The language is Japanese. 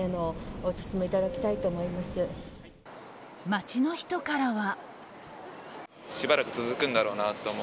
街の人からは。